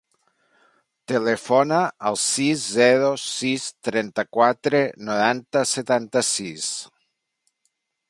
Telefona al sis, zero, sis, trenta-quatre, noranta, setanta-sis.